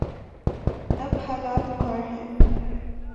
اب حالات اور ہیں۔